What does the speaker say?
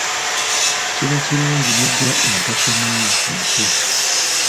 Kiba kirungi n’oggya entasoma yo ku mutwe.